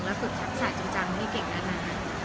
แล้วฝึกภาษาจริงจังไม่เก่งด้านนั้น